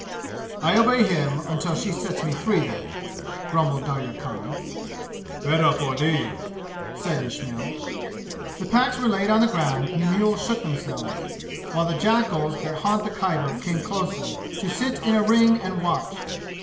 "I obey him until she sets me free, then," grumbled Darya Khan. "Better for thee!" said Ismail. The packs were laid on the ground, and the mules shook themselves, while the jackals that haunt the Khyber came closer, to sit in a ring and watch.